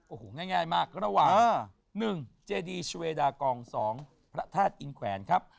โอ้โหง่ายมากระหว่าง๑เจดีชเวดากอง๒พระธาตุอินแขวนครับ